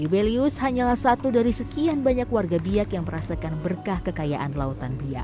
yubelius hanyalah satu dari sekian banyak warga biak yang merasakan berkah kekayaan lautan biak